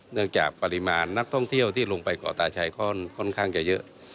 จากปริมาณนักท่องเที่ยวที่ลงไปเกาะตาชัยค่อนข้างจะเยอะ